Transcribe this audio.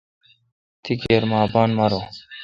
تی کیر مہ اپان ماروں۔